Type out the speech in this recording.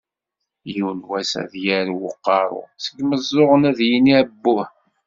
"Yiwen wass ad d-yarew uqerru, seg yimeẓẓuɣen ad d-yini abbuh.